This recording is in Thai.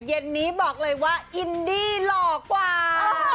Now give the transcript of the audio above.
เย็นนี้บอกเลยว่าอินดี้หล่อกว่า